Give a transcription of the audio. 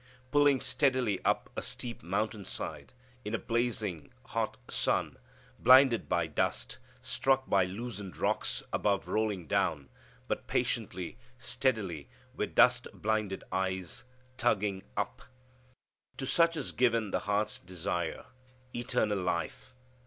Pulling steadily up a steep mountain side, in a blazing hot sun, blinded by dust, struck by loosened rocks above rolling down, but patiently, steadily, with dust blinded eyes, tugging up. To such is given the heart's desire eternal life.